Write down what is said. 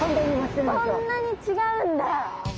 そんなに違うんだ。